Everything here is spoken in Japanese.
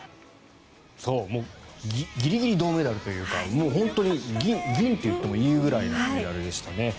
ギリギリ銅メダルというかもう本当に銀といってもいいぐらいのメダルでしたね。